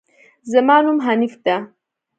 زما نوم حنيف ده